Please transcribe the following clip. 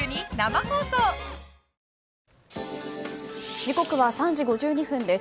時刻は３時５２分です。